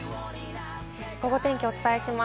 ゴゴ天気お伝えします。